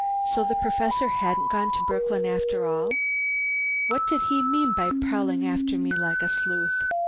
So the Professor hadn't gone to Brooklyn after all! What did he mean by prowling after me like a sleuth?